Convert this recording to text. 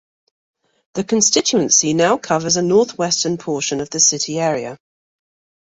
The constituency now covers a north western portion of the city area.